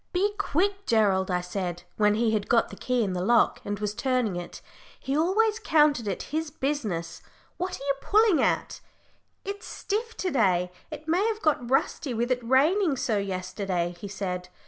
"Be quick, Gerald," I said, when he had got the key in the lock, and was turning it he always counted it his business; "what are you pulling at?" "It's stiff to day it may have got rusty with it raining so yesterday," he said.